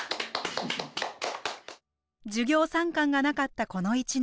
授業参観がなかったこの１年。